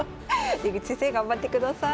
出口先生頑張ってください。